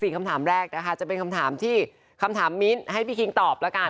คำถามแรกนะคะจะเป็นคำถามที่คำถามมิ้นให้พี่คิงตอบแล้วกัน